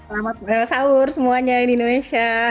selamat sahur semuanya di indonesia